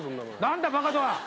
何だバカとは。